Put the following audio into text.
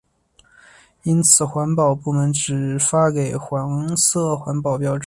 因此环保部门只发给黄色环保标志。